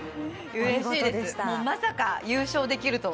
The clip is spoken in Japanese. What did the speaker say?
まさか優勝できるとは。